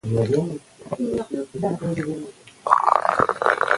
مزارشریف د افغانستان د ښاري پراختیا سبب کېږي.